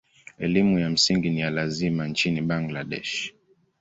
Elimu ya msingi ni ya lazima nchini Bangladesh.